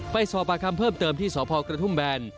สอบปากคำเพิ่มเติมที่สพกระทุ่มแบน